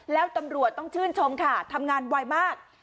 แล้วตำรวจต้องชื่นชมค่ะทำงานไวมาก